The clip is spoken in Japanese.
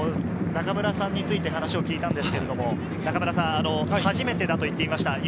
中村さんについて話を聞いたんですけれど、初めてだと言っていました。